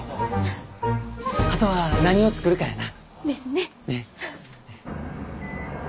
後は何を作るかやな。ですね。